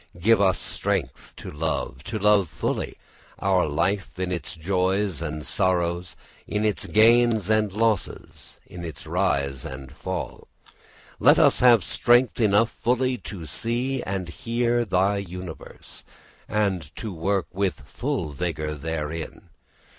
Give us strength to love, to love fully, our life in its joys and sorrows, in its gains and losses, in its rise and fall. Let us have strength enough fully to see and hear thy universe, and to work with full vigour therein.